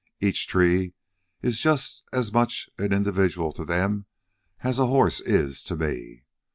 Each tree is just as much an individual to them as a horse is to me.